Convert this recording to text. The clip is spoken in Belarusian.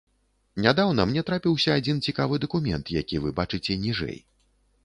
Нядаўна мне трапіўся адзін цікавы дакумент, які вы бачыце ніжэй.